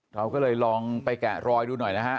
เราก็เลยลองไปแกะรอยดูหน่อยนะฮะ